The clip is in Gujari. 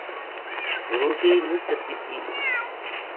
روٹی مُچ تَتی تھی